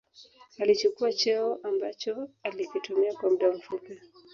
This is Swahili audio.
alichukua cheo ambacho alikitumia kwa muda mfupi